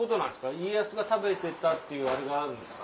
家康が食べてたっていうあれがあるんですか？